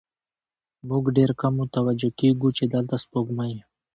موږ ډېر کم متوجه کېږو، چې دلته سپوږمۍ